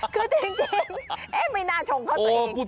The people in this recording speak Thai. คือจริงไม่น่าชงเข้าตัวเอง